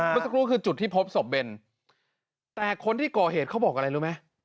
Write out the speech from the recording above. เมื่อสักครู่คือจุดที่พบศพเบนแต่คนที่ก่อเหตุเขาบอกอะไรรู้ไหม